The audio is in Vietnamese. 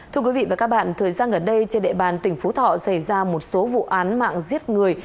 thưa quý vị và các bạn thời gian ở đây trên địa bàn tỉnh phú thọ xảy ra một số vụ án mạng giết người